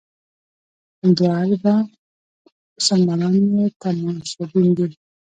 دوه اربه مسلمانان یې تماشبین دي.